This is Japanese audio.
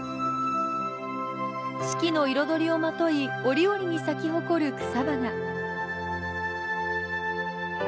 四季の彩りをまとい、折々に咲き誇る草花。